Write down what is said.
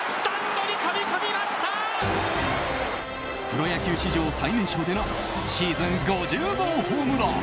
プロ野球史上最年少でのシーズン５０号ホームラン。